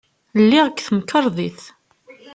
Lliɣ deg temkarḍit.